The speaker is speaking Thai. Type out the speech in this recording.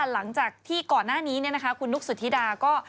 หลังจากที่ก่อนหน้านี้คุณนุกสุธิดาก็